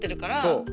そう。